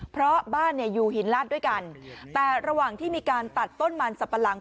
เพราะบ้านเนี่ยอยู่หินลาดด้วยกันแต่ระหว่างที่มีการตัดต้นมันสับปะหลัง